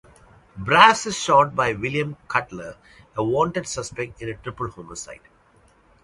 Brass is shot by William Cutler, a wanted suspect in a triple homicide.